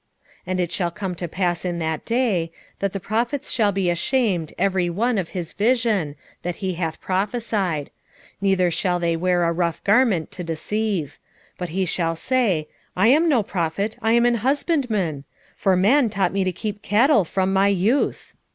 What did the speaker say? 13:4 And it shall come to pass in that day, that the prophets shall be ashamed every one of his vision, when he hath prophesied; neither shall they wear a rough garment to deceive: 13:5 But he shall say, I am no prophet, I am an husbandman; for man taught me to keep cattle from my youth.